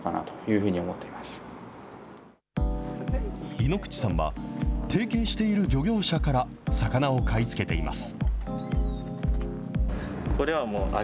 井口さんは、提携している漁業者から魚を買い付けています。